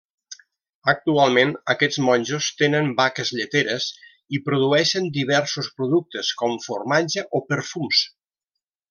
Actualment aquests monjos tenen vaques lleteres i produeixen diversos productes com formatge o perfums.